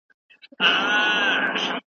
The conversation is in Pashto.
د سولي په مرحله کي جنګ نسته.